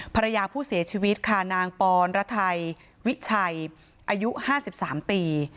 ภรรยาผู้เสียชีวิตค่ะนางปอนระไทยวิชัยอายุ๕๓ปี